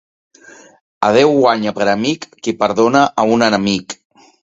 A Déu guanya per amic qui perdona un enemic.